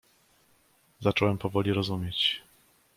"„Zacząłem powoli rozumieć."